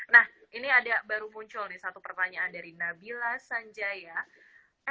nah ini ada baru muncul nih satu pertanyaan dari nabila sanjaya